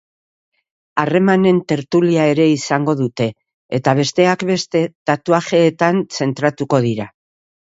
Harremanen tertulia ere izango dute, eta besteak beste, tatuajeetan zentratuko dira.